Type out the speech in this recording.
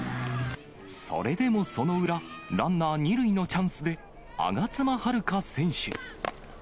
それでもその裏、ランナー２塁のチャンスで、我妻悠香選手。